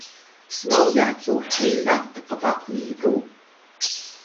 smoya cu helax tqbaq miru